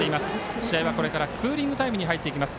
試合は、これからクーリングタイムに入ります。